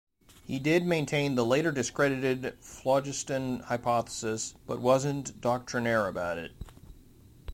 He did maintain the later-discredited phlogiston hypothesis, but wasn't doctrinaire about it.